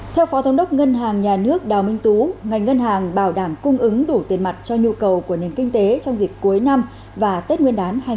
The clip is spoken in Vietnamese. theo phó thống đốc ngân hàng nhà nước đào minh tú ngành ngân hàng bảo đảm cung ứng đủ tiền mặt cho nhu cầu của nền kinh tế trong dịp cuối năm và tết nguyên đán hai nghìn hai mươi